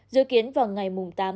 dự kiến vào ngày tám một mươi một